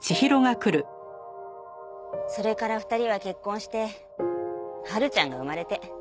それから２人は結婚して波琉ちゃんが生まれて。